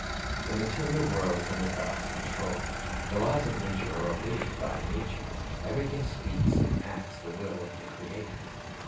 "^ The material world is under God's control. The laws of nature are obeyed by nature. Everything speaks and acts the will of the Creator.